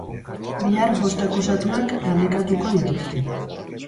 Bihar, bost akusatuak galdekatuko dituzte.